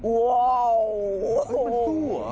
ว้าว